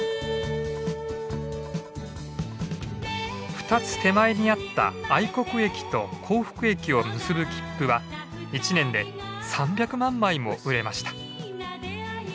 ２つ手前にあった愛国駅と幸福駅を結ぶ切符は１年で３００万枚も売れました。